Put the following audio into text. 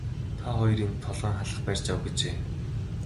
Та хоёр энд толгойн халх барьж ав гэжээ.